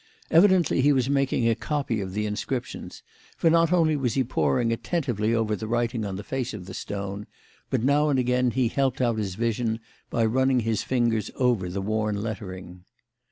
Evidently he was making a copy of the inscriptions, for not only was he poring attentively over the writing on the face of the stone, but now and again he helped out his vision by running his fingers over the worn lettering.